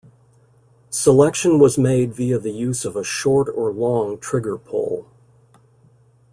Selection was made via the use of a short or long trigger pull.